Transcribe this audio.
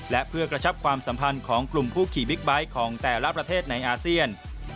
และเพื่อกระชับความสัมพันธ์ของกลุ่มผู้ขี่บิ๊กไบท์ของแต่ละประเทศในอาเซียน